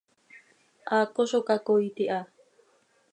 Haaco zo cacoiit iha.